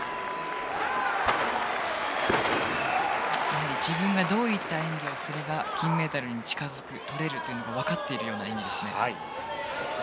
やはり自分がどういった演技をすれば金メダルに近づくとれるというのが分かっているような演技ですね。